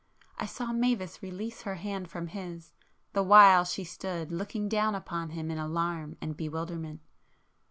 I saw Mavis release her hand from his, the while she stood looking down upon him in alarm and bewilderment.